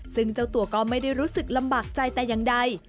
ซึ่งเจ้าตัวก็ไม่ได้รู้สึกลำบากใจแต่อย่างใด